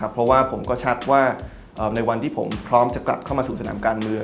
เพราะว่าผมก็ชัดว่าในวันที่ผมพร้อมจะกลับเข้ามาสู่สนามการเมือง